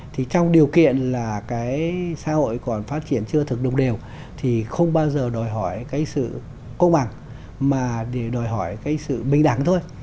thì trong điều kiện là cái xã hội còn phát triển chưa thực đồng đều thì không bao giờ đòi hỏi cái sự công bằng mà để đòi hỏi cái sự bình đẳng thôi